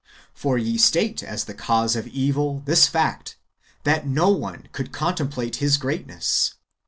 For ye state as the cause of evil this fact, that [no one] could contemplate His great ness.